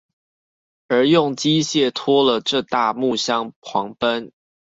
而用機械拖了這大木箱狂奔